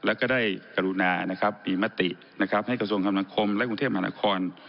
แล้วก็ได้กรุณานะครับมีมตินะครับให้กระทรวงคำนาคมและกรุงเทพมหานคร